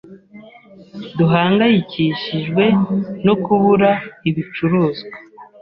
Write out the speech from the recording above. Duhangayikishijwe no kubura ibicuruzwa.